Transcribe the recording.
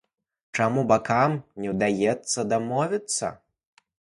Чаму бакам не ўдаецца дамовіцца?